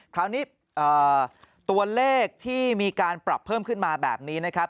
คราวนี้ตัวเลขที่มีการปรับเพิ่มขึ้นมาแบบนี้นะครับ